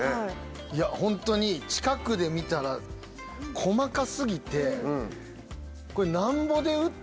いやホントに近くで見たら細か過ぎてこれ。